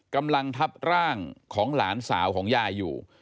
กำลังทับร่างของหลานสาวของยายอยู่